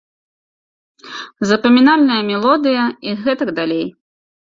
Запамінальная мелодыя і гэтак далей.